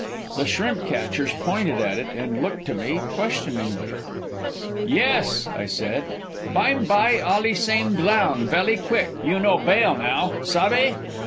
The shrimp catchers pointed at it and looked to me questioningly. "Yes," I said. "Bime by, allee same dlown, velly quick, you no bail now. Sabbe?"